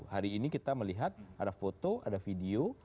hari ini kita melihat ada foto ada video